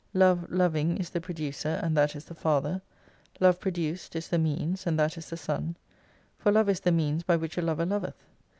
Love loving is the Producer, and that is the Father : Love produced is the Means, and that is the Son : For Love is the means by which a lover loveth.